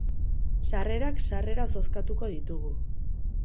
Sarrerak sarrera zozkatuko ditugu.